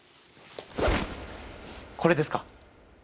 これですか？